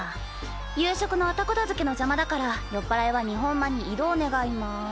夕食の後片付けの邪魔だから酔っぱらいは日本間に移動願います。